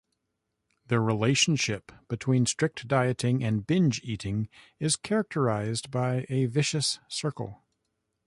The relationship between strict dieting and binge eating is characterized by a vicious circle.